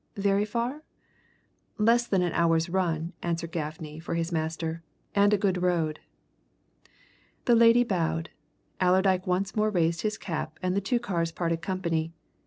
"Very far?" "Less than an hour's run," answered Gaffney for his master. "And a good road." The lady bowed; Allerdyke once more raised his cap; the two cars parted company.